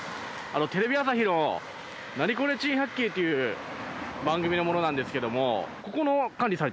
テレビ朝日の『ナニコレ珍百景』という番組の者なんですけども。